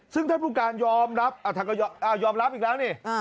ซึ่งท่านผู้การยอมรับท่านก็ยอมรับอีกแล้วนี่